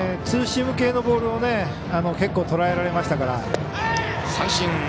ツーシーム系のボールを結構とらえられましたから。